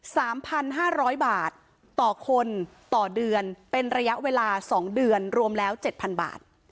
สามพันห้าร้อยบาทต่อคนต่อเดือนเป็นระยะเวลาสองเดือนรวมแล้วเจ็ดพันบาท